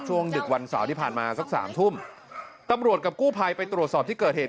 ดึกวันเสาร์ที่ผ่านมาสักสามทุ่มตำรวจกับกู้ภัยไปตรวจสอบที่เกิดเหตุ